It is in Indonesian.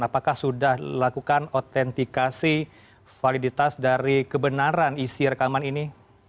apakah sudah dilakukan otentikasi validitas dari kebenaran isi rekaman ini